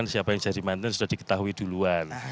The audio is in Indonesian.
siapa yang jadi mantan sudah diketahui duluan